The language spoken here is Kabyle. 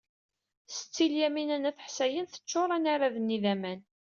Setti Lyamina n At Ḥsayen teccuṛ anarad-nni d aman.